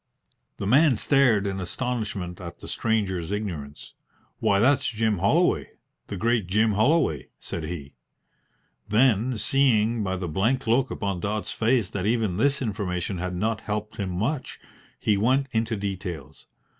The man stared in astonishment at the stranger's ignorance. "Why, that's Jim Holloway, the great Jim Holloway," said he; then, seeing by the blank look upon Dodds's face that even this information had not helped him much, he went into details.